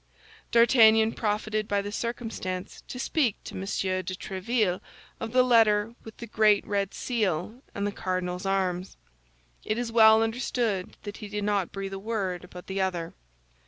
D'Artagnan profited by the circumstance to speak to M. de Tréville of the letter with the great red seal and the cardinal's arms. It is well understood that he did not breathe a word about the other.